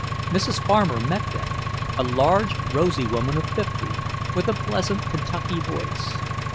Mrs. Farmer met them; a large, rosy woman of fifty, with a pleasant Kentucky voice.